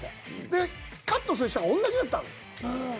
で、カットする人が同じだったんです。